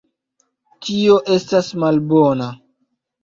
Tio estas malbona